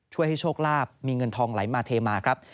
ช่วยให้โชคลาภมีเงินทองไหลมาเทมาครับ